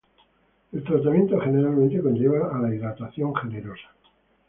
El tratamiento generalmente conlleva a la hidratación generosa.